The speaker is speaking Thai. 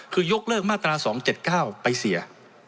คือยกเลิกมาตรา๒๗๙ไปเสีย